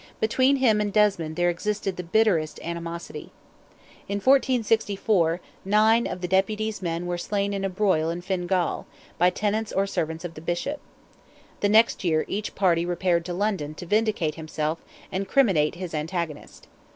Between him and Desmond there existed the bitterest animosity. In 1464, nine of the Deputy's men were slain in a broil in Fingall, by tenants or servants of the Bishop. The next year each party repaired to London to vindicate himself and criminate his antagonist.